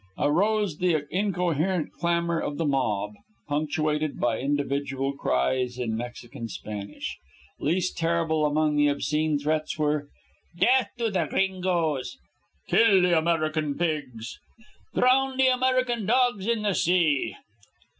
Arose the incoherent clamor of the mob, punctuated by individual cries in Mexican Spanish. Least terrible among the obscene threats were: "Death to the Gringos!" "Kill the American pigs!" "Drown the American dogs in the sea!"